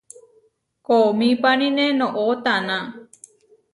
Koomípanine noʼó taná.